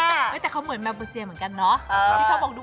แต่เขาเหมือนแมวเบอร์เจียเหมือนกันเนาะที่เขาบอกดู